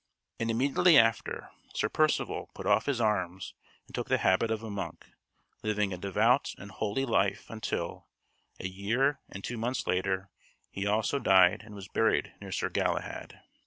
And immediately after, Sir Percivale put off his arms and took the habit of a monk, living a devout and holy life until, a year and two months later, he also died and was buried near Sir Galahad.